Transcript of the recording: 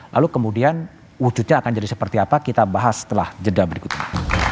lalu kemudian wujudnya akan jadi seperti apa kita bahas setelah jeda berikut ini